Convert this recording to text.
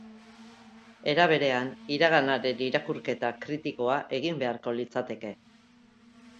Era berean, iraganaren irakurketa kritikoa egin beharko litzateke.